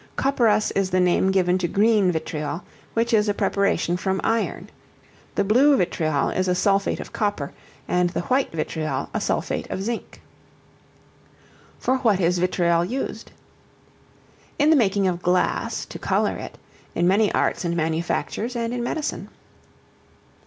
Copperas is the name given to green vitriol, which is a preparation from iron. The blue vitriol is a sulphate of copper, and the white vitriol a sulphate of zinc. For what is Vitriol used? In the making of glass, to color it; in many arts and manufactures; and in medicine.